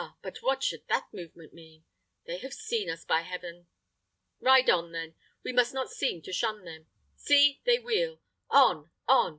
but what should that movement mean? They have seen us, by heaven! Ride on then; we must not seem to shun them. See! they wheel! On, on!